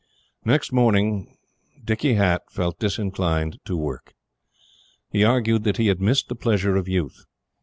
Next morning, Dicky Hatt felt disinclined to work. He argued that he had missed the pleasure of youth.